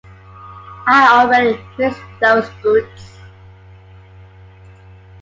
I already miss those boots.